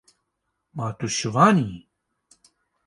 Ma tu şivan î?